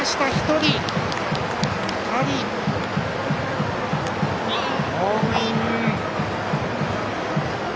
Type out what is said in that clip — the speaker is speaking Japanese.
２人ホームイン。